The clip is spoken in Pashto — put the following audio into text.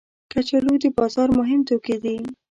کچالو د بازار مهم توکي دي